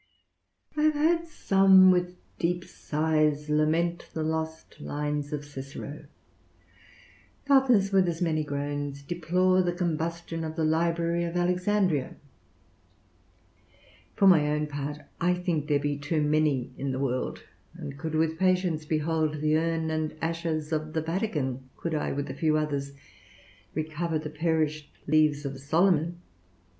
I have heard some with deep sighs lament the lost lines of Cicero; others with as many groans deplore the combustion of the library of Alexandria; for my own part, I think there be too many in the world, and could with patience behold the urn and ashes of the Vatican, could I, with a few others, recover the perished leaves of Solomon.